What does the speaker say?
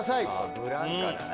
ブランカだな。